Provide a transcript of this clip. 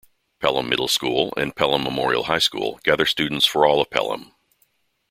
Pelham Middle School and Pelham Memorial High School gather students for all of Pelham.